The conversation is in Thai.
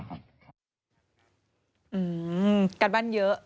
อื้อกันบ้านเยอะ